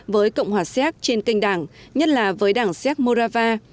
với cộng hòa xéc trên kênh đảng nhất là với đảng xếp morava